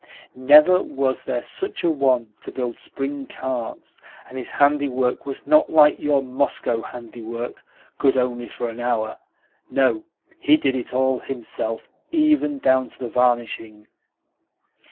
Never was there such a one to build spring carts! And his handiwork was not like your Moscow handiwork good only for an hour. No, he did it all himself, even down to the varnishing."